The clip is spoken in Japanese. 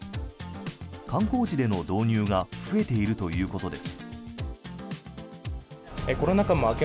観光地での導入が増えているということです。